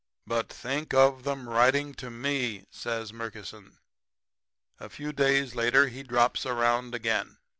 "'But think of 'em writing to ME!' says Murkison. "A few days later he drops around again.